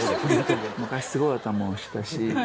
昔すごい頭をしてたし。